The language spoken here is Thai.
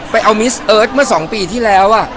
ไปเอามิสเอิร์ดเมื่อสองปีที่แล้วอ่ะ